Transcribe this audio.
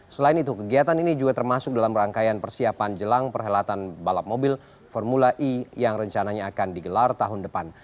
selain itu kegiatan ini juga termasuk dalam rangkaian persiapan jelang perhelatan balap mobil formula e yang rencananya akan digelar tahun depan